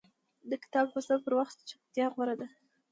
د کتاب لوستلو پر وخت چپتیا غوره ده.